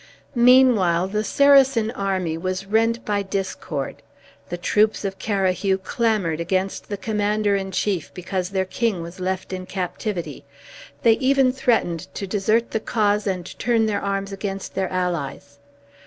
Meanwhile the Saracen army was rent by discord. The troops of Carahue clamored against the commander in chief because their king was left in captivity. They even threatened to desert the cause and turn their arms against their allies.